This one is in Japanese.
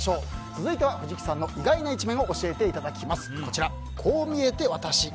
続いては藤木さんの意外な一面を教えていただくこう見えてワタシ。